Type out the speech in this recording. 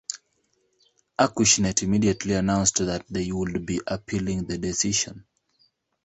Acushnet immediately announced that they would be appealing the decision.